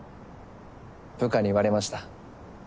部下に言われました。